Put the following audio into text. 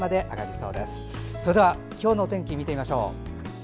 それでは今日のお天気見てみましょう。